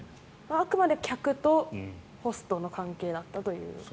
あくまで客とホストの関係だったと。